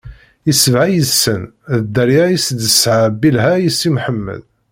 I sebɛa yid-sen, d dderya i s-d-tesɛa Bilha i Si Mḥemmed.